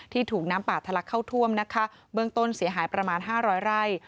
ถูกน้ำป่าทะลักเข้าท่วมนะคะเบื้องต้นเสียหายประมาณห้าร้อยไร่